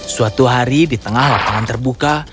suatu hari di tengah lapangan terbuka